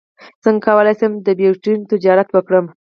څنګه کولی شم د بیتکوین تجارت وکړم